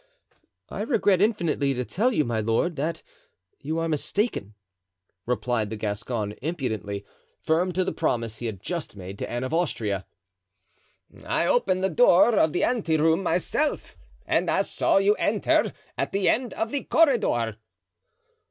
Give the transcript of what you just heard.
"I regret infinitely to tell you, my lord, that you are mistaken," replied the Gascon, impudently, firm to the promise he had just made to Anne of Austria. "I opened the door of the ante room myself and I saw you enter at the end of the corridor."